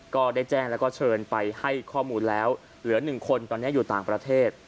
ก็ได้แจ้งแล้วก็เชิญไปให้ข้อมูลแล้วเหลือ๑คนตอนนี้อยู่ต่างประเทศ